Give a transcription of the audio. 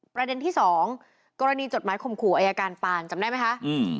ประเด็นที่สองกรณีจดหมายข่มขู่อายการปานจำได้ไหมคะ